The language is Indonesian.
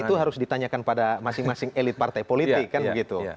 itu harus ditanyakan pada masing masing elit partai politik kan begitu